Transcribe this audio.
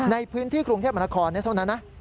ในพื้นที่กรุงเทพมนาคอนเท่านั้นนะ